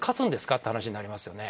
って話しになりますよね。